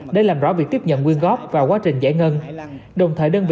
để làm rõ việc tiếp nhận quyên góp và quá trình giải ngân